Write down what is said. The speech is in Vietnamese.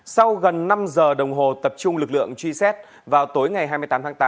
sau gần năm giờ đồng hồ tập trung lực lượng truy xét vào tối ngày hai mươi tám tháng tám